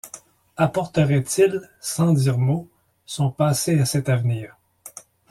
Apporterait-il, sans dire mot, son passé à cet avenir?